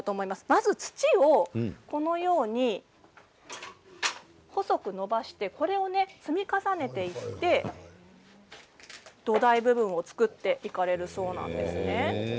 まず土をこのように細くのばしてこれを積み重ねていって土台部分を作っていかれるそうなんです。